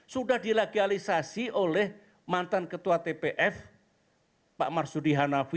sudah dilagialisasi oleh mantan ketua tpf pak marsudi hanafi